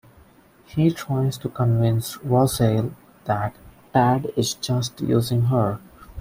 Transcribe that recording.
He tries to convince Rosalee that Tad is just using her.